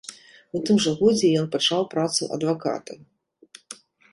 У тым жа годзе ён пачаў працу адваката.